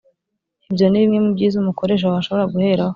Ibyo ni bimwe mu byiza umukoresha wawe ashobora guheraho